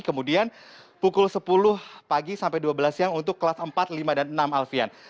kemudian pukul sepuluh pagi sampai dua belas siang untuk kelas empat lima dan enam alfian